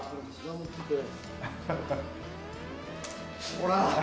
ほら。